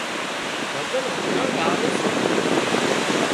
ڀزن هڌران ڳاوي سي